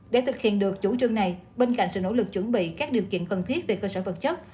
để thực hiện được chủ trương này bên cạnh sự nỗ lực chuẩn bị các điều kiện cần thiết về cơ sở vật chất